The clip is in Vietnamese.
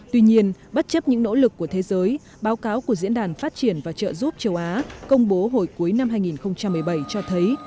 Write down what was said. tuy nhiên bất chấp những nỗ lực của thế giới báo cáo của diễn đàn phát triển và trợ giúp châu á công bố hồi cuối năm hai nghìn một mươi bảy cho thấy